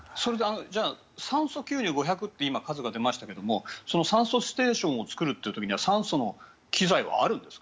酸素吸入５００という数が今出ましたけれど酸素ステーションを作るっていう時には酸素の機材はあるんですか？